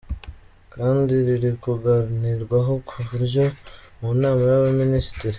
kandi riri kuganirwaho ku buryo mu nama y’abaminisitiri